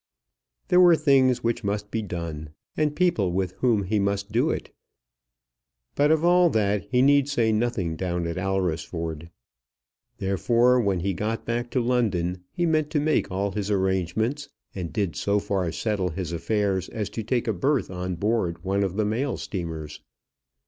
There were things which must be done, and people with whom he must do it; but of all that, he need say nothing down at Alresford. Therefore, when he got back to London, he meant to make all his arrangements and did so far settle his affairs as to take a berth on board one of the mail steamers.